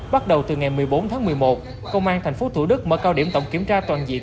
bắt đầu từ ngày một mươi bốn tháng một mươi một công an tp thủ đức mở cao điểm tổng kiểm tra toàn diện